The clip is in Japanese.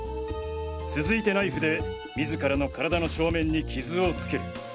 続いてナイフで自らの体の正面に傷をつける。